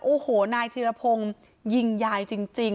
โอ้โหนายธีรพงศ์ยิงยายจริง